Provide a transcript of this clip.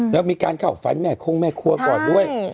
และมีการกล่อฝันแม่คู่แม่ครัวก่อนด้วย